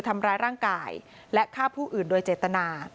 ทำร้ายร่างกายและฆ่าผู้อื่นโดยเจตนา